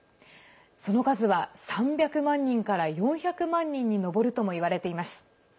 その数は３００万人から４００万人に上るともいわれています。